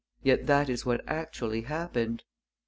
Yet that is what actually happened.